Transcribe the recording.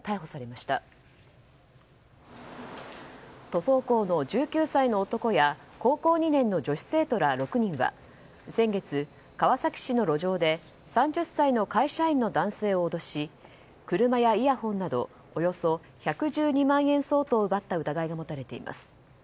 塗装工の１９歳の男や高校２年の女子高生ら６人は先月、川崎市の路上で３０歳の会社員の男性を脅し車やイヤホンなどおよそ１１２万円相当を奪った疑いが持たれています。